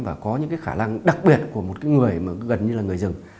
và có những khả năng đặc biệt của một người gần như là người rừng